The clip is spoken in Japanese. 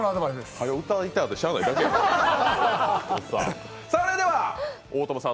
はよ、歌いたくてしゃあないだけですやん。